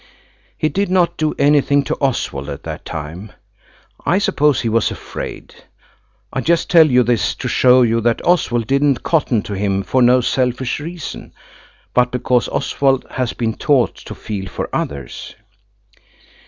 He did not do anything to Oswald at that time. I suppose he was afraid. I just tell you this to show you that Oswald didn't cotton to him for no selfish reason, but because Oswald has been taught to feel for others. AND HE WAS AWFULLY RUDE TO THE SERVANTS.